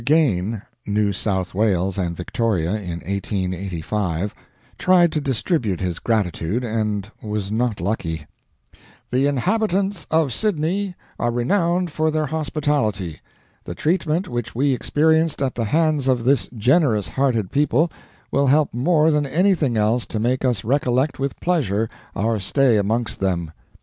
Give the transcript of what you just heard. Gane ("New South Wales and Victoria in 1885 "), tried to distribute his gratitude, and was not lucky: "The inhabitants of Sydney are renowned for their hospitality. The treatment which we experienced at the hands of this generous hearted people will help more than anything else to make us recollect with pleasure our stay amongst them.